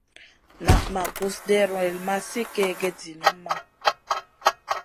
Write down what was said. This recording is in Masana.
Nan ma gus ɗewrel ma sli kègèd zinimma.